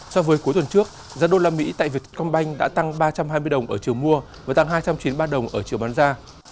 so với cuối tuần trước giá đô la mỹ tại việt công banh đã tăng ba trăm hai mươi đồng ở chiều mua và tăng hai trăm chín mươi ba đồng ở chiều bán ra